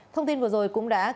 thông tin vừa rồi cũng đã kết thúc